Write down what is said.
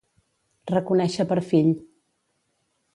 Reconèixer per fill.